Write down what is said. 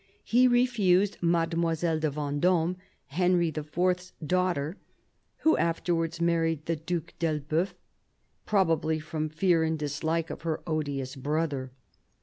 He refused Mademoiselle de Vendome, Henry IV.'s daughter — ^who afterwards married the Due d'Elbeuf — probably from fear and dislike of her odious brother.